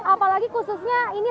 apalagi khususnya ini